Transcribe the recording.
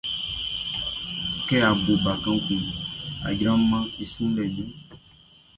Kɛ a bo bakan kunʼn, a jranmɛn i sunlɛʼn i ɲrun.